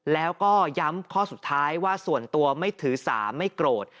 แล้วก็ย้ำข้อสุดท้ายว่าส่วนตัวไม่ถือสาไม่โกรธ